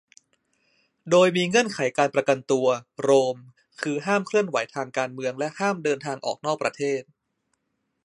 โดยมีเงื่อนไขการประกันตัว โรม คือห้ามเคลื่อนไหวทางการเมืองและห้ามเดินทางออกนอกประเทศ